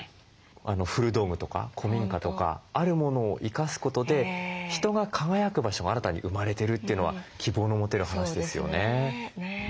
古道具とか古民家とかあるものを生かすことで人が輝く場所が新たに生まれてるというのは希望の持てる話ですよね。